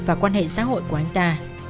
và quan hệ xã hội của anh ta